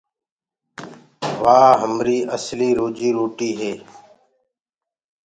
وآ همري اسلي روجيٚ روٽي هي۔